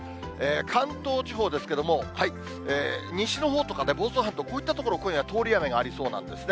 関東地方ですけれども、西のほうとかね、房総半島、こういった所、今夜、通り雨がありそうなんですね。